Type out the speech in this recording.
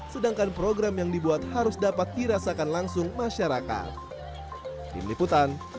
sedangkan program yang dibuat harus dapat dirasakan langsung masyarakat